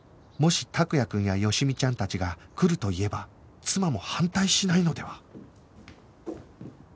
もし託也くんや好美ちゃんたちが来ると言えば妻も反対しないのでは？